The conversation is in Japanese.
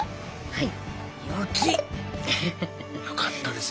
はい。